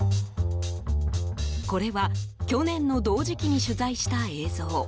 これは去年の同時期に取材した映像。